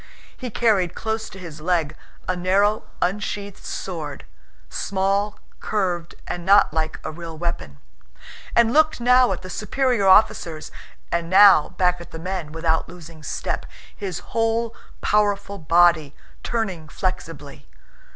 He carried close to his leg a narrow unsheathed sword (small, curved, and not like a real weapon) and looked now at the superior officers and now back at the men without losing step, his whole powerful body turning flexibly.